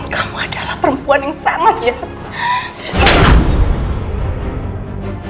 kamu adalah perempuan yang sangat jahat